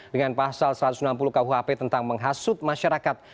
dengan pasal satu ratus enam puluh kuhp tentang menghasut masyarakat